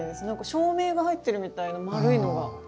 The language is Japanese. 照明が入ってるみたいな丸いのが。